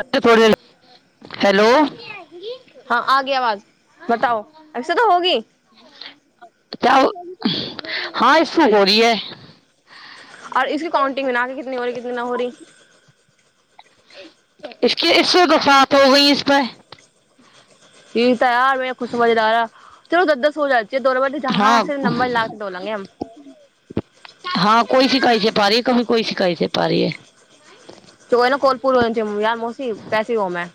कथि फोट देलही हेलो हाँ आगी आवाज बताओ असे त होगी क्या हो- हाँ इसो हो रीऐ आर इसक काउंटिंग मे ने आके कितनी हो रही कितनी न हो रही इसके इसे बफात हो गई इस पे ठीक तऽ यार मे खु समझ लारा चलो दस हो जात हाँ [unintelligible] हाँ कोई शिकाई से पा रीऐ कभी कोई शिकाई से पा रीऐ त ओ ने कोन पूर हो छै यार मौसी कैसी होमे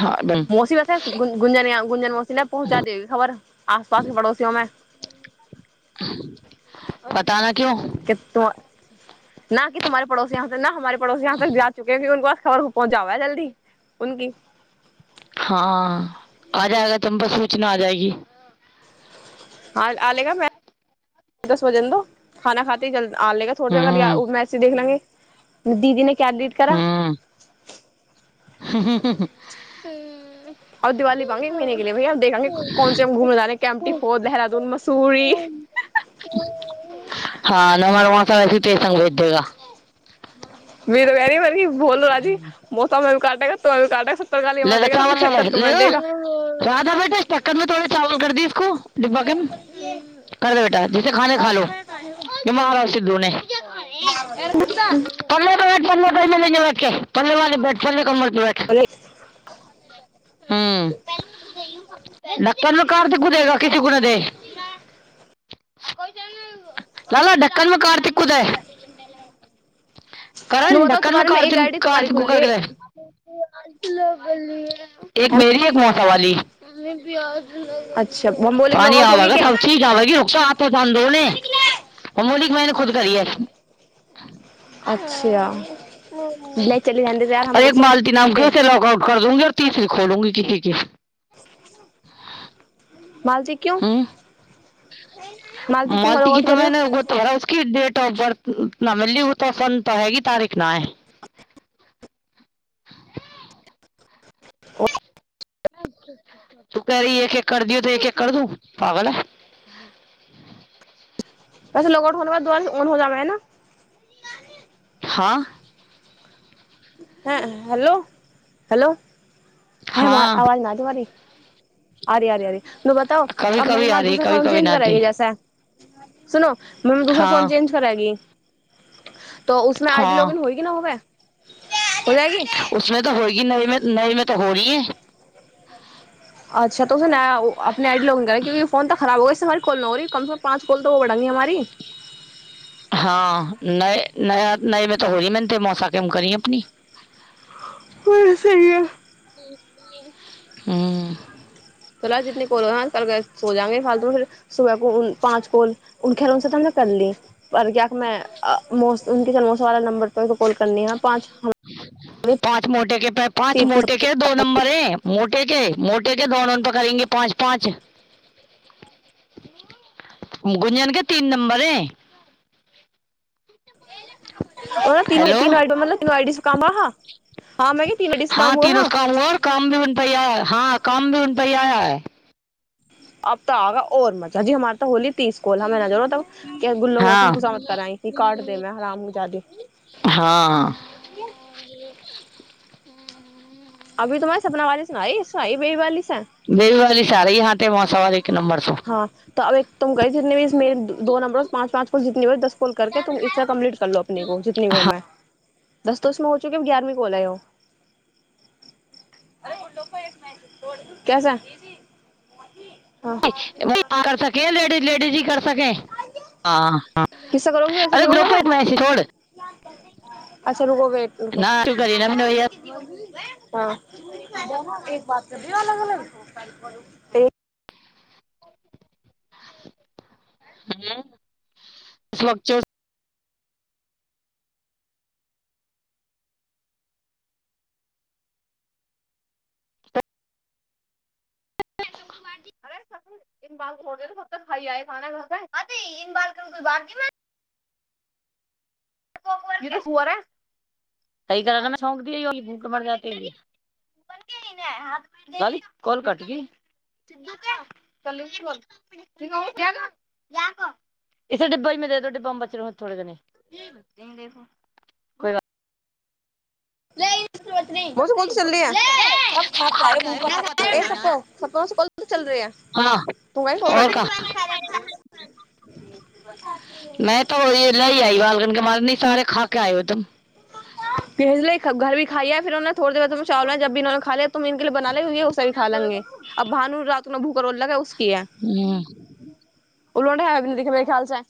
हाँ बन मौसी वैसे गुजन गुंजन मौसी ने पहुँचा दी खबर आस पास के पड़ोसियोमे [inaudible] पता ना क्यों त न कि तुमहारे पड़ोसी यहाँ तक न हमारे पड़ोसी यहाँ तक जा चुक ह भ उको आओर पहुँचााब जल्दी उनकी हाँ आ जाएगा तम्प सूचना आ जाएगी। ह आ लेगा मै दस बजन द खाना खाते है जल्दी आ लेगा थोड़ हम्म ज मैसी देख लेंगे दीदी ने क्य डीट करा हम्म [unintelligible] आ दिवाली पांगे एक महिने के लए भैय हम देखंगे कोन से हम घूमने जाे कैमटी फो देहरादून मसूरी हाँ न मर व त वैसे पे संग भेजेगा भोल राजी मौसममे कट क तो काटे ले चावल ल ले लेलै रधा बेटे ढ़कन मे थोड़े चावल कर दी इसको डिब्बा के कर दे बेटा जसको खाना है खालो [unintelligible] [unintelligible] हूम नकलमे कार त क देगा किस कोु ने दे लाला ढकनमे करतिक को दे तुम करण बताओ डकनमे तुम्हारे में कारथि एक आईडी तुम्हारी कारथि खुल रही ककर कै है एक मेरी एक मसावाली अच्छा हम बोले लॉग पानी आउट होगी आवेगा क्या सब चीज आवेगी रुक [unintelligible] [unintelligible] कर अच्छा ले चले जाने दे यार हमको सब दूंगीऔर तीसी खोलूी किसी कि [inaudible] मालती क्यों ह क्यों मालती लॉग की आउट तऽ कर मै रहे ने हो त उ ट [unintelligible] ओ तू क एक एक कर दियौ तऽ एक एक कर दू पागल [inaudible] वैसे लोगआउट हो बाद द ऑन हो जाबा ह? हाँ हैं हेलो हेलो ह हाँ आवाज नहि तमारी अरे अरे अरे तू बताो कभी अब कभी महिमा आ रही दूसरा कभी फॉर्म कभी चेंज ना आती करेगी जैसा सुनो। म दूसरा फोन हाँ चेंज करैगी। तऽ उसमे आई डी लॉग हाँ इन होएगी न होबे? होजाएगी उसमें तो होगी नई में नई में तो हो रही है अच्छा तो अपने आइडी लाॅगिन करै क्यकि फोन त खराब जा कल नहि हो कम से कम पाँच कोल त बढ़ंगी हमारी हँ नहि नया नमे तऽ होल मे त मौसा कम करी अपनी [inaudible] हाँ त सहिए हँ जितने कोल कर सो जाउंगी फालतू फिर सुबह को पाँच कोल उ खैरो तने कर लिय। पर कस मौसा वाला नंबर परो कॉल करनी ह [inaudible] पाँच मोटे के पाँच तीस मोटे के दो नम्बर है मोटे के मोटे के दो नर करेंगे पाँच पाँच गुंजन के तीन नम्बर ह ओ तीन हेलो तीनड मतलब तीनो आइडी सुकामा हा [unintelligible] अब तऽ आबा और मज़ा जी हमार तऽ होली तीस कोल हमे नजरो तब गु्ो हाँ मौसम खुसामत कराई ई काट दे में हरामीजादी [unintelligible] हँ अभी तऽ में सपना बाली से तम्हारे सनााले सुनाइैइ ब वाली [unintelligible] बेबी वाली सारी यहाँ थे वहाँ सवार एक नंबर सो हँ त अब एक त कहैने भीस [unintelligible] नंबर पाँच पाँच कॉल जितनी हो दस कॉल करके तस कम्प्लट कर लो अपने को जितनी। हाँ दस तोस मे हो चुकके ग्यारवीं कोल आयो। [unintelligible] कर से लेडीज लेडीज ही कर सके हँ किससे करोगे फिर अरे संजीव ग्रप सर मैच से छैय छोड़ [unintelligible] ना तू करी ना मैंने भैया हँ [unintelligible] ह व अरे सखी इन बार छोड़ द त तब तक खा आय खाना घरात इन बालकन को बाद क [unintelligible] कॉल कट गई [unintelligible] इसे डिब्बा में दे द डिब्बा में बच रह थोड़े कोई बात नहीं नहि खा के आए भूखा था कोई ना हाँ [unintelligible] [unintelligible] [inaudible] नहिं तऽ ओ ल आई बालगन के मारनी सारे खा के आय ओ तम [inaudible] कहज ले घर भी खाइय ओ [unintelligible] थोडे देर में चावल जब इने खा ल त इे बना ले हेैस भ खा ले गे अब भानु रातमे भू [unintelligible] हँ उलंडे हनि देखे खल जा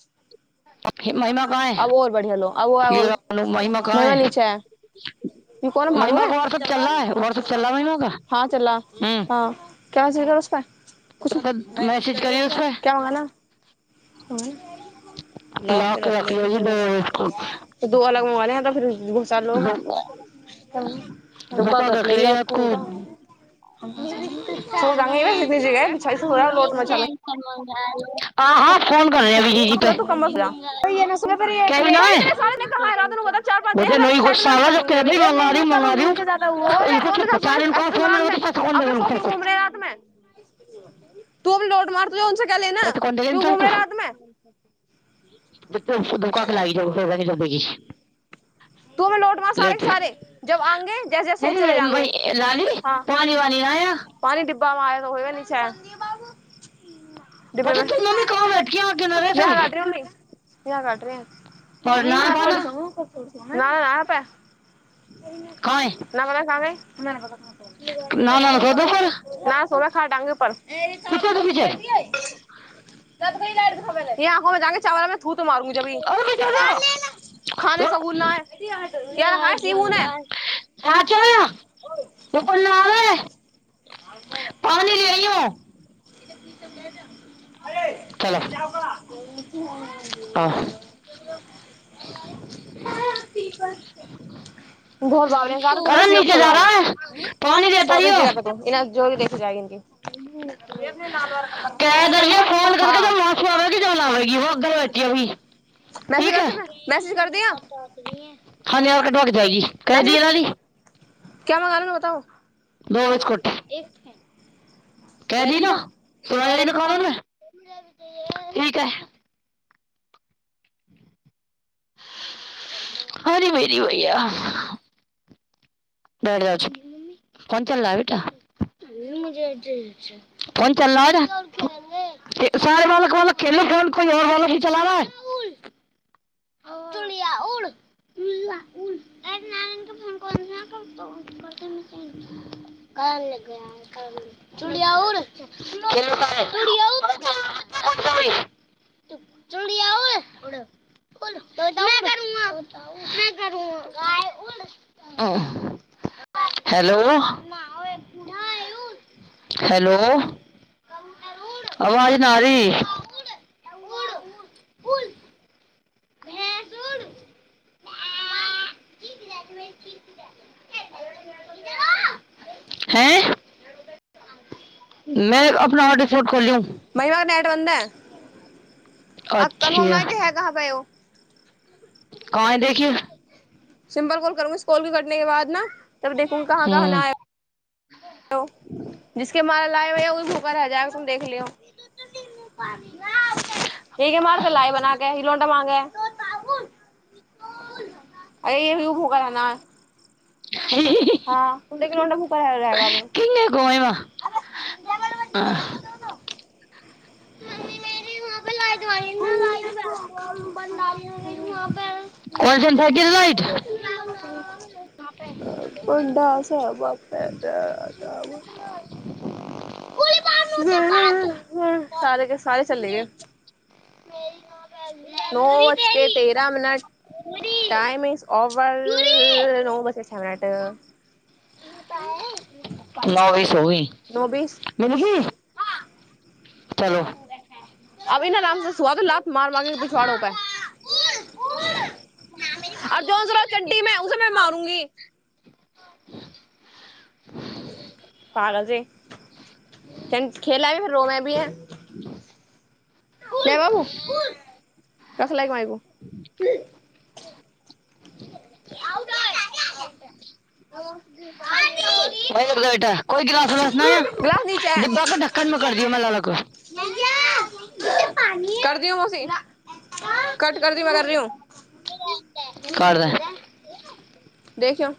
हे महिमा कहाँ है [unintelligible] अब और बढ़िया लो अब ये रहा अनु, कहाँ महिमा नीचा है येऽ कोन भानु महिमा है का व्हाट्सएप चल रहा है व्हाट्सएप चल रहा है महिमा का हँ चल हम्म हँ क्या छै क कुछ उस पर नइ मैसेज करिय करिए उस पर क्या होगा ने ला के रख लौ जी दो दो अलग मोबाइल है त फर बहुत सारा लोग है धोखा बुका कर रख लो जी लेक आपको [unintelligible] जगह बिछाइ हो लोट मा [unintelligible] आ ह [unintelligible] फोन करय भी जीपै तू कम मत जा ये ना सुने पर ये कब कई नामै [unintelligible] इतने जेस सारे ने कहा है रात को बता चार पांच दे मंग मैं सेटलमेंट कर दूंगी अभी वे महंगे तर मंगार उनके ज्यादा हुआ सोने का सोए इमरान ने अपने सो के फो घूम [unintelligible] रहे रात में [unintelligible] तू अब लोट मार तुझे उनसे क्या त लेना तऽ कोन देइ क्यों इन्सान घूम कु रहे रात में धोक लागि जा फ जब कि [unintelligible] तूं लौट मार सारे सारे जब आंगे अरे जैसेैसोचे जांगे मैं- हँ रानी हँ पानी वानी ना आया डिब्बामे माय त ओ नल [unintelligible] [unintelligible] इ बच्चा तू कट्री मम्मी कहाँ बैठी यहाँ गिन रहे सब और नाना पाना न आप [unintelligible] [unintelligible] कहाँ अखा है नाना ना कर दो पर डंग ऊपर पीछे तो पीछे [unintelligible] ह चावलमे [unintelligible] थूत तऽ मारू जभी अरे पीछे खाने सगुन न है यार ह ह च र कोन न आवे पानी ले आई लैअयौ हूँ अरे चलो आओ। [unintelligible] करण बहुत बावले हैं सारे तुम सीएम नीचे सो जा रहा जाओ है पानी देता सो भी यौ जगह पे तुम इन्हें जो [inaudible] क देलय फोन करके हाँ त मासू आबेगी जान आबेगी ओ अगर बैठिया भी मैसेज ठीक कर ह ह तुमने मैसेज कर दिया आऔर क ढ [unintelligible] जागी क दी मैसेज एना द क्या मंगाना बताओ [unintelligible] दो बिस्कूट क दी न सुना जा ने कानमे ठीक है अरी मेरी मैया डर जाय छै फोन चल रहा है बेटा [unintelligible] [unintelligible] नारायण के कोन [unintelligible] कल चड़िया उर [unintelligible] [unintelligible] चिडिया उड़ उड़ [unintelligible] हेलो हेलो आवाज ना आरी हे सुन [unintelligible] हैं मे अपना ऑर्डर सोट खोललू महिमा का नेट बंद है अच्छा [unintelligible] काइ देखियौ सिम्पल कॉल करूस कॉल के कटने के बाद ने तब देखू कहाँ कहाँ न हम्म आय। जिसके मार ला होए उस ऊपर रह जायग तुम देख लियो [unintelligible] ही ग मारतेल अ बनाके इ लोड मंगे [unintelligible] भूखा रह रहेगा अब [unintelligible] [unintelligible] [unintelligible] [unintelligible] [unintelligible] सारे सारे चले गेल नओ बजके तेरह मिनट टाइम इस ओवर नओ बजके छ मिनट [unintelligible] नौ [unintelligible] चलो [unintelligible] अभि ना आरामसँ सुआह त लाात मार मारके पछाड़ हो ते आओर जो जरा चण्डीमे उसमे मारूंगी। [unintelligible] क्या बाबू रस लाय माय गो [unintelligible] ओइ बेटा ओइ गिलास मे गिलास नीचे नइ है डिबबा के ढकन मे कर दियौ मेलाला को कर दी हूँ मौसी [unintelligible] कट कर दी मैं कर रही हूँ [unintelligible] कर दे देखियो